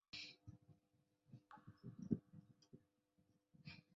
她长年来都保持她的感情世界不在镁光灯下曝光。